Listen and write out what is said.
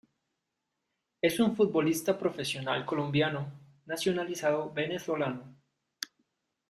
Es un futbolista profesional colombiano, nacionalizado Venezolano.